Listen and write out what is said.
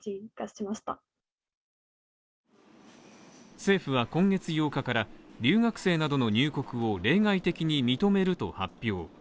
政府は今月８日から留学生などの入国を例外的に認めると発表。